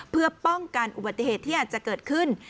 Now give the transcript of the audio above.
เพื่อป้องกันอุบัติเหตุที่อาจจะเกิดขึ้น